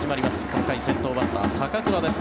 この回先頭バッター、坂倉です。